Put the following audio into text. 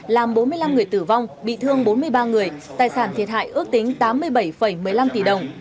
làm bốn mươi năm người tử vong bị thương bốn mươi ba người tài sản thiệt hại ước tính tám mươi bảy một mươi năm tỷ đồng